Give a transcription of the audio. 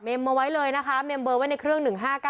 เอาไว้เลยนะคะเมมเบอร์ไว้ในเครื่อง๑๕๙